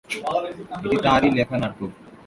এটি তারই লেখা নাটক।